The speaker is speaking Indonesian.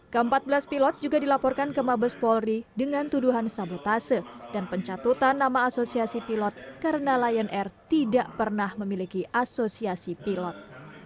keempat belas pilot juga dilaporkan ke mabes polri dengan tuduhan sabotase dan pencatutan nama asosiasi pilot karena lion air tidak pernah memiliki asosiasi pilot